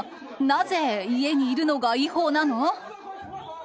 なぜ、家にいるのが違法なの？